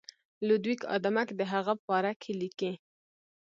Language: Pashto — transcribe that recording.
لودویک آدمک د هغه پاره کې لیکي.